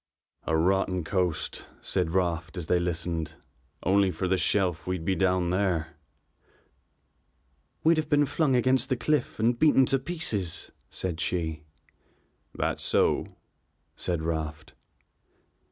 "A rotten coast," said Raft as they listened. "Only for this shelf we'd be down there." "We'd have been flung against the cliff and beaten to pieces," said she. "That's so," said Raft.